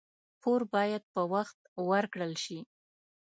پور باید په وخت ورکړل شي.